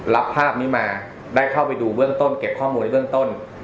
รับภาพนี้มาได้เข้าไปดูเบื้องต้นเก็บข้อมูลในเบื้องต้น